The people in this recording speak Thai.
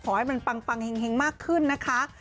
ขอให้มันปังเฮงมากขึ้นนะคะ